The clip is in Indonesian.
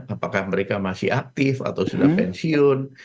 apakah mereka masih aktif atau sudah pensiun